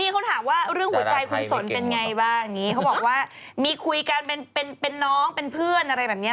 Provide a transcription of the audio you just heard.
เขาถามว่าเรื่องหัวใจคุณสนเป็นไงบ้างอย่างนี้เขาบอกว่ามีคุยกันเป็นน้องเป็นเพื่อนอะไรแบบนี้